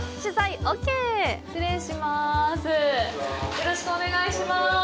よろしくお願いします。